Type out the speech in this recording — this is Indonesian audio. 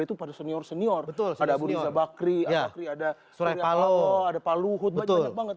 itu pada senior senior betul pada buri bakri ya ada suraya kalau ada paluhut betul banget